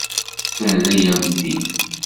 Terra-yam-t-id.